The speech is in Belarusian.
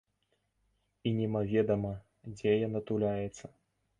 І немаведама, дзе яна туляецца.